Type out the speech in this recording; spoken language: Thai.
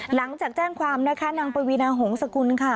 หลังจากแจ้งความนะคะนางปวีนาหงษกุลค่ะ